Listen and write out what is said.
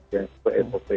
yang seperti sop